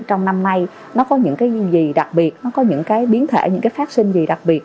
trong năm nay nó có những cái gì đặc biệt nó có những cái biến thể những cái phát sinh gì đặc biệt